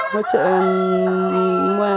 hỗ trợ mua